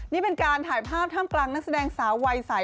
นี่เป็นการถ่ายภาพท่ามกลางนักแสดงสาววัยใส